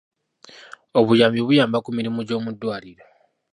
Obuyambi buyamba ku mirimu gy'omuddwaliro.